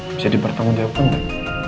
bisa dipertanggung jawabkan gak